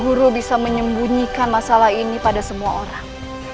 guru bisa menyembunyikan masalah ini pada semua orang